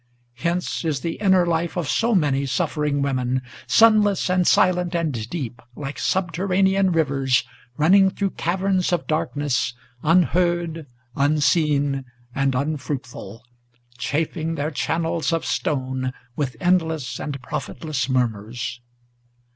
Hence is the inner life of so many suffering women Sunless and silent and deep, like subterranean rivers Running through caverns of darkness, unheard, unseen, and unfruitful, Chafing their channels of stone, with endless and profitless murmurs."